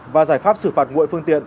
và giải pháp xử phạt nguội phương tiện